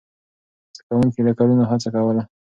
زده کوونکي له کلونو هڅه کوله.